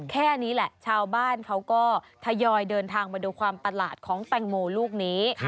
แค่นี้แหละชาวบ้านเขาก็ทยอยเดินทางมาดูความประหลาดของแตงโมลูกนี้